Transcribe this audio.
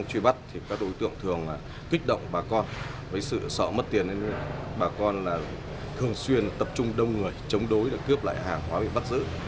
các đối tượng thường kích động bà con với sự sợ mất tiền nên bà con thường xuyên tập trung đông người chống đối để cướp lại hàng hóa bị bắt giữ